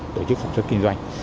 tổ chức sản xuất kinh doanh